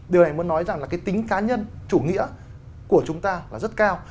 điều này muốn nói rằng là cái tính cá nhân chủ nghĩa của chúng ta là rất cao